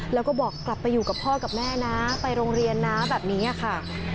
แล้วก็บอกกลับไปอยู่กับพ่อกับแม่นะไปโรงเรียนนะแบบนี้ค่ะ